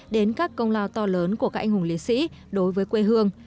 đến các công lao to lớn của các anh hùng liệt sĩ đối với quê hương